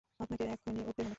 আপনাকে এখনই উঠতে হবে।